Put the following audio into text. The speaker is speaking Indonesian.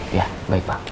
iya baik pak